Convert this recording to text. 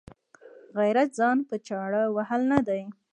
غیرت ځان په چاړه وهل نه دي.